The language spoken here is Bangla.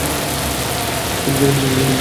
এখানে তো কোনো পেঙ্গুইন নেই।